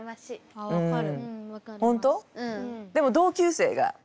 あ分かる。